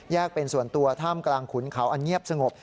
เป็นส่วนตัวท่ามกลางขุนเขาอันเงียบสงบ